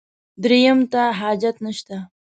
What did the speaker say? درېیم ته حاجت نشته.